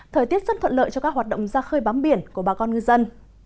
thời tiết rất thuận lợi cho các hoạt động ra khơi bám biển của bà con ngư dân